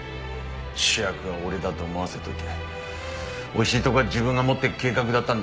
主役は俺だと思わせといておいしいとこは自分が持っていく計画だったんだ。